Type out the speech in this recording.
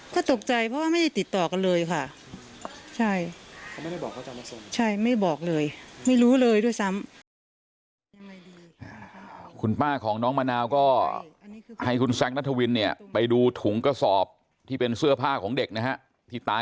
ก็ตกใจเพราะว่าไม่ได้ติดต่อกันเลยค่ะ